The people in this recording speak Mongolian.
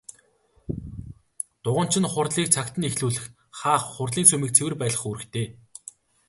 Дуганч нь хурлыг цагт нь эхлүүлэх, хаах, хурлын сүмийг цэвэр байлгах үүрэгтэй.